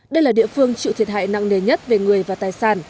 đây là địa phương chịu thiệt hại nặng nề nhất về người và tài sản